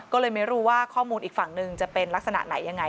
ก็เลยไม่รู้ว่าข้อมูลอีกฝั่งหนึ่งจะเป็นลักษณะไหนยังไง